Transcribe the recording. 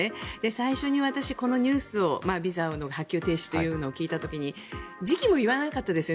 最初に私、このニュースをビザの発給停止というのを聞いた時に時期も言わなかったですよね。